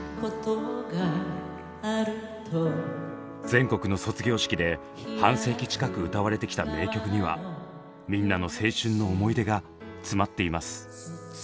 全国の卒業式で半世紀近く歌われてきた名曲にはみんなの青春の思い出が詰まっています。